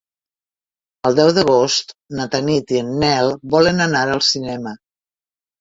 El deu d'agost na Tanit i en Nel volen anar al cinema.